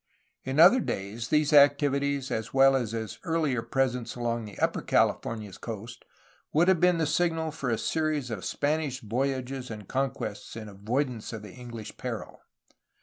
In other days these activities as well as his earlier presence along the upper Californias coast would have been the signal for a series of Spanish voyages and conquests in avoidance of the EngUsh peril.